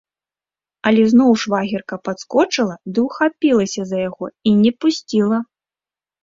Але зноў швагерка падскочыла ды ўхапілася за яго і не пусціла.